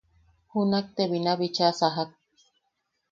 Junak te bina bicha sajak.